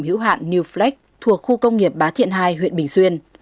hữu hạn newflex thuộc khu công nghiệp bá thiện hai huyện bình xuyên